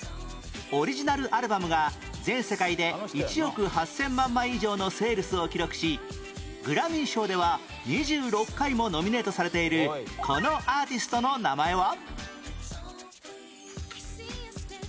オリジナルアルバムが全世界で１億８０００万枚以上のセールスを記録しグラミー賞では２６回もノミネートされているこのアーティストの名前は？